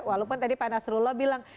walaupun tadi pak nasrullah bilang